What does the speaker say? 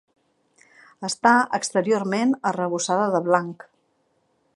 Està exteriorment arrebossada de blanc.